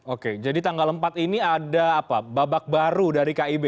oke jadi tanggal empat ini ada babak baru dari kib